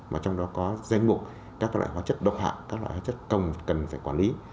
mà trong đó có danh mục các loại hóa chất độc hại các loại hóa chất cần phải quản lý